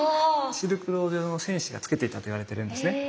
シルクロード上の戦士がつけていたといわれてるんですね。